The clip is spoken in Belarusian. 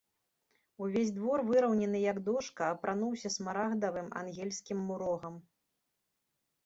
Увесь двор, выраўнены, як дошка, апрануўся смарагдавым ангельскім мурогам.